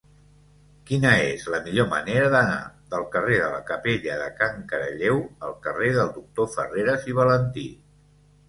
Quina és la millor manera d'anar del carrer de la Capella de Can Caralleu al carrer del Doctor Farreras i Valentí?